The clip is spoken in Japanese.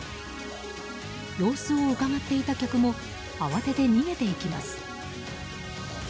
様子をうかがっていた客も慌てて逃げていきます。